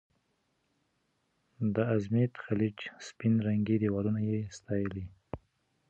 د ازمېت خلیج سپین رنګي دیوالونه یې ستایلي.